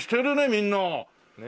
みんな。